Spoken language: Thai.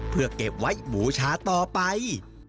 เพื่อเก็บไว้หมูชาต่อไป